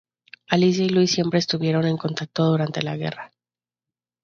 Alicia y Luis siempre estuvieron en contacto durante la guerra.